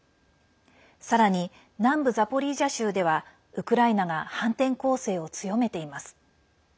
さらに南部ザポリージャ州ではウクライナが反転攻勢を強めています。